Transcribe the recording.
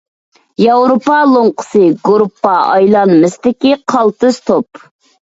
ياۋروپا لوڭقىسى گۇرۇپپا ئايلانمىسىدىكى قالتىس توپ.